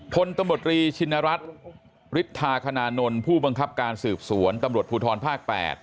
พลตำรวจรีชินรัฐฤทธาคณานนท์ผู้บังคับการสืบสวนตำรวจภูทรภาค๘